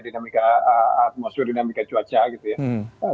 dinamika atmosfer dinamika cuaca gitu ya